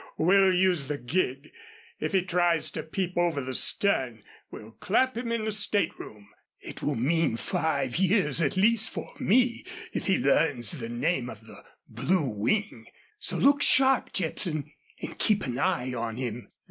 We'll use the gig. If he tries to peep over the stern we'll clap him in the stateroom. It will mean five years at least for me if he learns the name of the Blue Wing. So look sharp, Jepson, and keep an eye on him."